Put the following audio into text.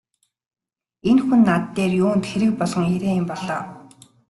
Энэ хүн над дээр юунд хэрэг болгон ирээ юм бол оо!